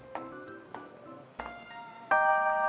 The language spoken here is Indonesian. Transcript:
saya lagi kesin ya ya